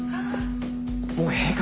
もうええ